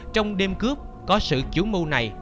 trong đêm cướp có sự chủ mưu này